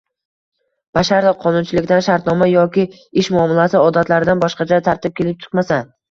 basharti qonunchilikdan, shartnoma yoki ish muomalasi odatlaridan boshqacha tartib kelib chiqmasa.